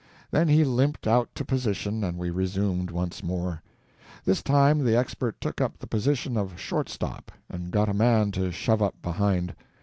Then he limped out to position, and we resumed once more. This time the Expert took up the position of short stop, and got a man to shove up behind.